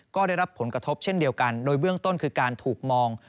ก็ได้รับผลกระทบเช่นเดียวกันโดยเบื้องต้นคือการถูกมอง